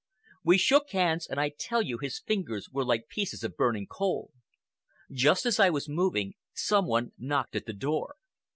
We shook hands, and I tell you his fingers were like pieces of burning coal. Just as I was moving, some one knocked at the door.